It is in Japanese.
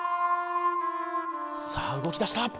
さあ動きだした。